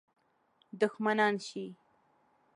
دښمنان شي.